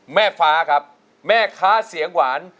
แม่ฟ้าครับแม่ค้าเสียงหวาน